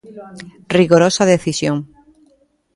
Rigorosa decisión.